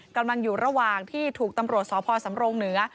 กำลังอยู่ระหว่างที่ถูกตำรวจสพสำรงเหนือ